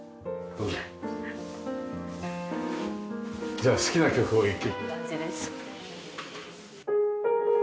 じゃあ好きな曲を１曲。